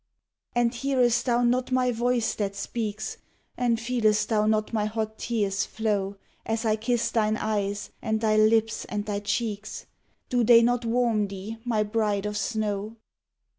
And hearest thou not my voice that speaks? And feelest thou not my hot tears flow As I kiss thine eyes and thy lips and thy cheeks? Do they not warm thee, my bride of snow?